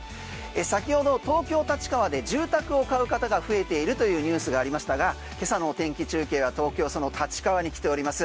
先ほど東京・立川で住宅を買う方が増えているというニュースがありましたが今朝のお天気中継は東京都の立川に来ております。